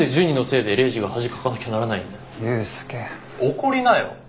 怒りなよ。